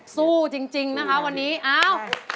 สู้จริงนะคะวันนี้อ้าว